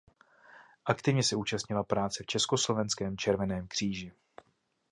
Aktivně se účastnila práce v Československém červeném kříži.